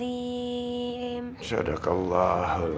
teman muzik tuhan